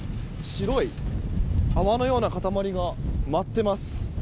白い泡のような固まりが舞っています。